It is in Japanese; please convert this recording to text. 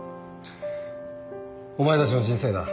お前たちの人生だ